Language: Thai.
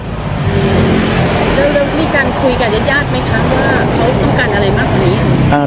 แล้วมีการคุยกับญาติญาติไหมคะว่าเขาต้องการอะไรมากกว่านี้